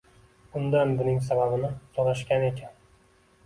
Undan buning sababini soʻrashgan ekan